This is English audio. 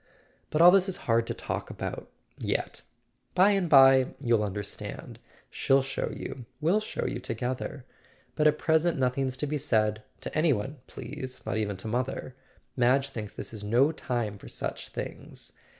But all this is hard to talk about—yet. By and bye you'll understand; she'll show you, we'll show you together. But at present nothing's to be said—to any one, please, not even to mother. Madge thinks this is no time for such things.